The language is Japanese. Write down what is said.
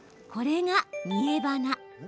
これが、煮えばな。